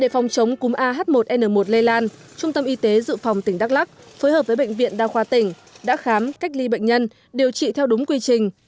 để phòng chống cúm ah một n một lây lan trung tâm y tế dự phòng tỉnh đắk lắc phối hợp với bệnh viện đa khoa tỉnh đã khám cách ly bệnh nhân điều trị theo đúng quy trình